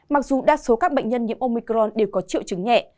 mặc dù đa số các bệnh nhân nhiễm omicron đều có triệu chứng nhẹ